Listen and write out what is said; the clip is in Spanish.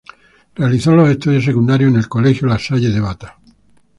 Realizó los estudios secundarios en el colegio La Salle de Bata.